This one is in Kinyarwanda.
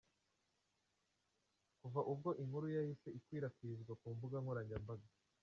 Kuva ubwo inkuru yahise ikwirakwizwa ku mbuga nkoranyambaga.